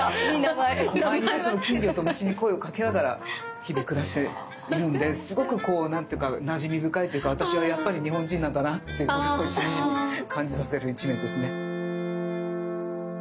毎日その金魚と虫に声をかけながら日々暮らしているんですごくこう何ていうかなじみ深いというか私はやっぱり日本人なんだなっていうことをしみじみ感じさせる一面ですね。